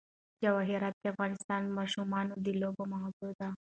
جواهرات د افغان ماشومانو د لوبو موضوع ده.